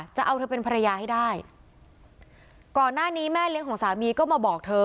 จะเอาเธอเป็นภรรยาให้ได้ก่อนหน้านี้แม่เลี้ยงของสามีก็มาบอกเธอ